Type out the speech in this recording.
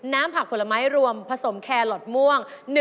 น้ำผักผลไม้รวมผสมแคลอทม่วง